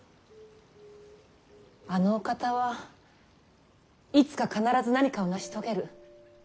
あのお方はいつか必ず何かを成し遂げる。